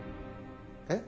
えっ？